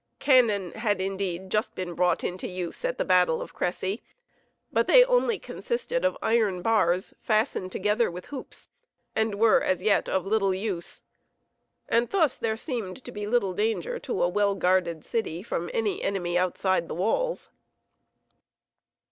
Cannon had indeed just been brought into use at the battle of Crecy, but they only consisted of iron bars fastened together with hoops, and were as yet of little use, and thus there seemed to be little danger to a well guarded city from any enemy outside the walls.